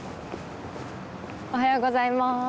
おはようございまーす。